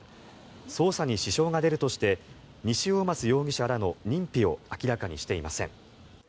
捜査に支障が出るとして西大舛容疑者らの認否を明らかにしていません。